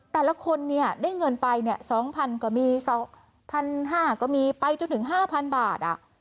แต่ละคนเนี่ยได้เงินไป๒๐๐ก็มี๑๕๐๐ก็มีไปจนถึง๕๐๐บาท